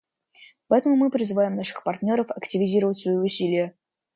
Поэтому мы призываем наших партнеров активизировать свои усилия.